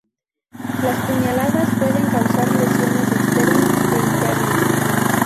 Las puñaladas pueden causar lesiones externas e internas.